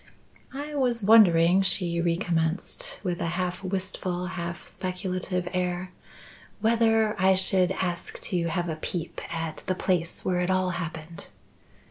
"I was wondering," she recommenced, with a half wistful, half speculative air, "whether I should ask to have a peep at the place where it all happened."